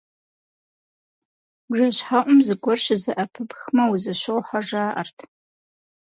Бжэщхьэӏум зыгуэр щызэӏэпыпхмэ, узэщохьэ жаӏэрт.